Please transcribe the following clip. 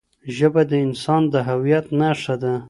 ژبه د انسان د هویت نښه ده.